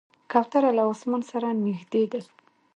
کوتره له اسمان سره نږدې ده.